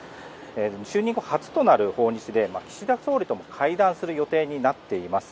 就任後初となる訪日で岸田総理とも会談する予定になっています。